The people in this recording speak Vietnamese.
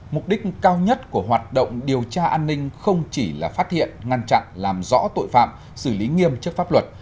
mục đích cao nhất của hoạt động điều tra an ninh không chỉ là phát hiện ngăn chặn làm rõ tội phạm xử lý nghiêm trước pháp luật